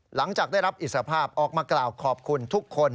หลังจากได้รับอิสภาพออกมากล่าวขอบคุณทุกคน